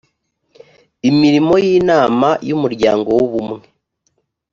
imirimo y inama y umuryango w ubumwe